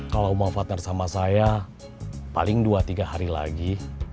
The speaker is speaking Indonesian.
kalau mau partner sama saya paling dua tiga hari lagi